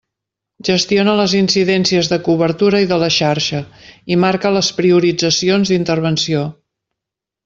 Gestiona les incidències de cobertura i de la xarxa i marca les prioritzacions d'intervenció.